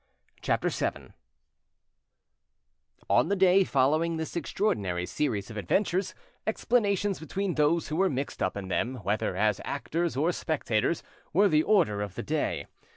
CHAPTER VII On the day following this extraordinary series of adventures, explanations between those who were mixed up in them, whether as actors or spectators, were the order of the day.